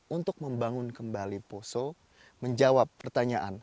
untuk membangun kembali poso menjawab pertanyaan